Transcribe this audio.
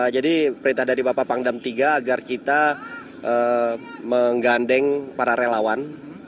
jadi perintah dari bapak pangdam tiga agar kita menggandeng para relawan